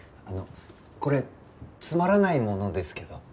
あのこれつまらないものですけど。